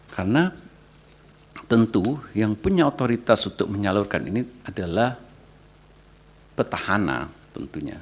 karena tentu yang punya otoritas untuk menyalurkan ini adalah petahana tentunya